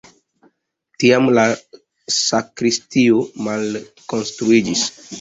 Tiam la sakristio malkonstruiĝis.